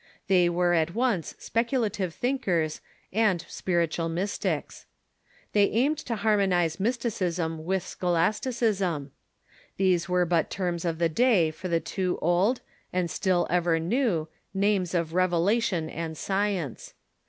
They were at once speculative thinkers and spiritual Mystics, They School of jjjj^gfi tQ harmonize mysticism with scholasticism. St. Victor r 1 1 n 1 These were but terms of the day for the two old, and still ever new, names of revelation and science.